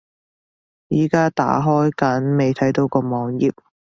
而家打開緊，未睇到個網頁￼